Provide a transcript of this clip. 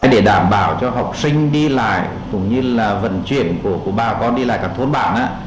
để đảm bảo cho học sinh đi lại cũng như là vận chuyển của bà con đi lại các thôn bản